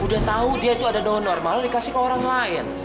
udah tahu dia itu ada daun normal yang dikasih ke orang lain